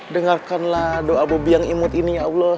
dengarkanlah doa bobi yang imut ini ya allah